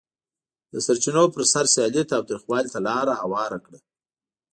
د سرچینو پر سر سیالي تاوتریخوالي ته لار هواره کړه.